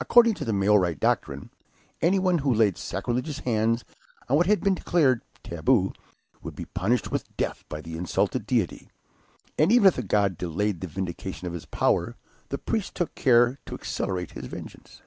According to the Maori doctrine, anyone who laid sacrilegious hands on what had been declared "taboo," would be punished with death by the insulted deity, and even if the god delayed the vindication of his power, the priests took care to accelerate his vengeance.